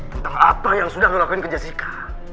tentang apa yang sudah lo lakuin ke jessica